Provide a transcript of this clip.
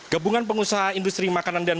gebungan pengusaha industri makanan dan pengembangan